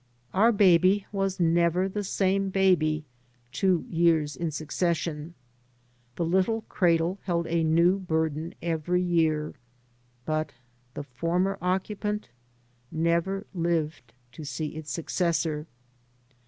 Our baby was never the same baby two years in succession. The little cradle held a new burden every year, but the former occupant never lived to see its successor.